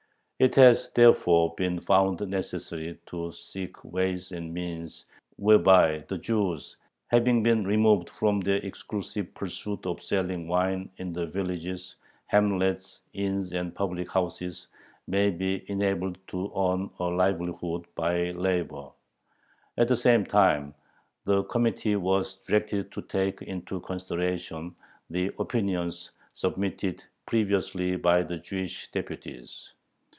It has therefore been found necessary "to seek ways and means whereby the Jews, having been removed from their exclusive pursuit of selling wine in the villages, hamlets, inns, and public houses, may be enabled to earn a livelihood by labor." At the same time the Committee was directed to take into consideration the "opinions" submitted previously by the Jewish deputies.